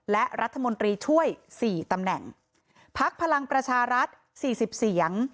และรัฐมนตรีช่วยสี่ตำแหน่งพักพลังประชารัฐสี่สิบเสียง